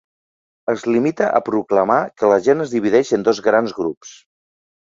Es limita a proclamar que la gent es divideix en dos grans grups.